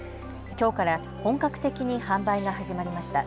きょうから本格的に販売が始まりました。